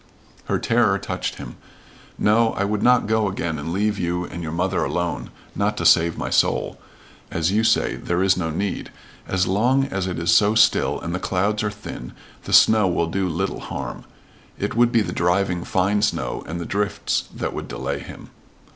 Her terror touched him. "No, I would not go again and leave you and your mother alone not to save my soul. As you say, there is no need as long as it is so still and the clouds are thin the snow will do little harm. It would be the driving, fine snow and the drifts that would delay him."